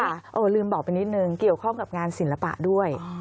เออลืมบอกไปนิดนึงเกี่ยวข้องกับงานศิลปะด้วย